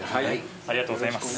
ありがとうございます。